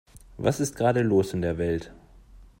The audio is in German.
Was ist gerade los in der Welt?